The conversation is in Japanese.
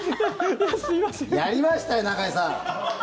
やりましたよ、中居さん。